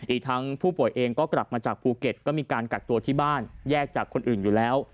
อีกทั้งผู้ป่วยเองก็กลับมาจากภูเก็ตก็มีการกักตัวที่บ้านแยกจากคนอื่นอยู่แล้ว